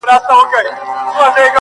• د هغه له معنا او مفهوم څخه عاجز سي -